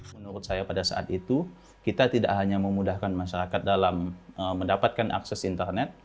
menurut saya pada saat itu kita tidak hanya memudahkan masyarakat dalam mendapatkan akses internet